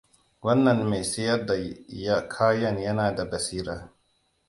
Wannan mai siyar da kayan yana da basira.